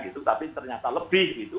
tapi ternyata lebih